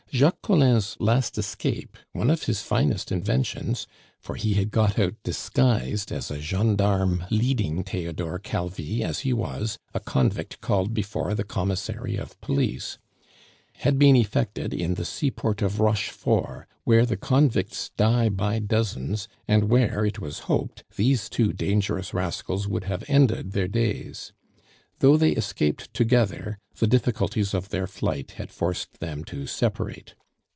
Jacques Collin's last escape, one of his finest inventions for he had got out disguised as a gendarme leading Theodore Calvi as he was, a convict called before the commissary of police had been effected in the seaport of Rochefort, where the convicts die by dozens, and where, it was hoped, these two dangerous rascals would have ended their days. Though they escaped together, the difficulties of their flight had forced them to separate.